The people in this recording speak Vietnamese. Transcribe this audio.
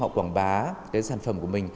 họ quảng bá sản phẩm của mình